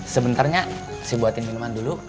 sebenarnya saya buatin minuman dulu